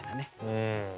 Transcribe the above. うん。